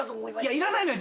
いらないのよ。